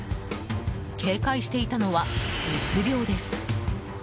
警戒していたのは、密漁です。